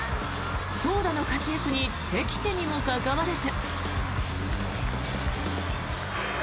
投打の活躍に敵地にもかかわらず。